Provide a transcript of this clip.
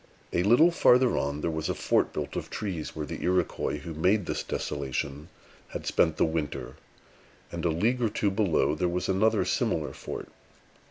A little farther on, there was a fort built of trees, where the Iroquois who made this desolation had spent the winter; and a league or two below, there was another similar fort.